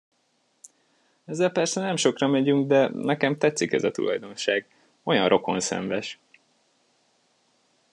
Ezzel persze nem sokra megyünk, de nekem tetszik ez a tulajdonság, olyan rokonszenves!